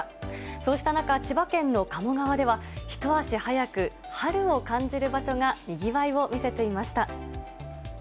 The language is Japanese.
そうした中、千葉県の鴨川では、一足早く春を感じる場所がにぎわいを見せていました。